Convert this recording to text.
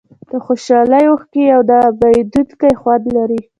د خوشحالۍ اوښکې یو نه بیانېدونکی خوند لري.